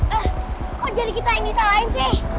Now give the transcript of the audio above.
ah kok jadi kita yang disalahin sih